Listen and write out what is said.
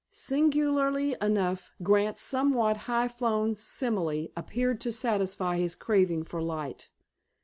Singularly enough, Grant's somewhat high flown simile appeared to satisfy his craving for light.